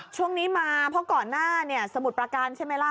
ช่วงนี้มาเพราะก่อนหน้าเนี่ยสมุทรประการใช่ไหมล่ะ